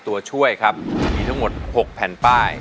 ตัวช่วยครับมีทั้งหมด๖แผ่นป้าย